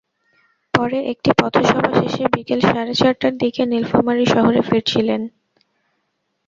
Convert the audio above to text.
পরে একটি পথসভা শেষে বিকেল সাড়ে চারটার দিকে নীলফামারী শহরে ফিরছিলেন।